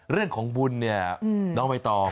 เรื่องของบุญเนี่ยน้องใบตอง